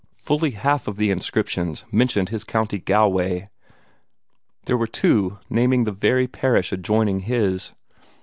Fully half of the inscriptions mentioned his County Galway there were two naming the very parish adjoining his.